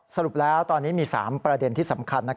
สรุปแล้วตอนนี้มี๓ประเด็นที่สำคัญ